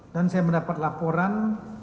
dan saya mendapat laporan